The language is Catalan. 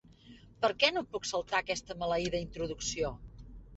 Per què no em puc saltar aquesta maleïda introducció?